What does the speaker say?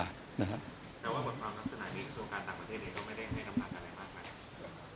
แต่ว่าบทความรักษณะดีส่วนการต่างประเทศเดียว